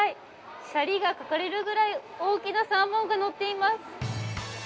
シャリが隠れるくらい大きなサーモンがのっています。